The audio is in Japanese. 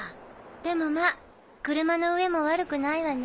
でもまぁ車の上も悪くないわね。